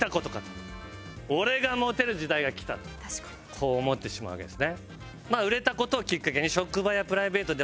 こう思ってしまうわけですね。